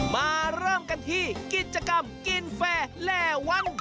มาเริ่มกันที่กิจกรรมกินแฟร์แหล่วัน